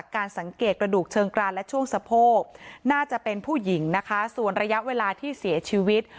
การสังเกตกระดูกเชิงกรานและช่วงสะโพกน่าจะเป็นผู้หญิงนะคะส่วนระยะเวลาที่เสียชีวิต